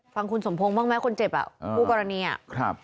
ฟังคุณสมพงศ์บ้างไหมคนเจ็บอ่ะคู่กรณีอ่ะครับ